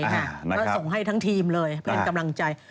แล้วส่งให้ทั้งทีมเป็นกำลังใจ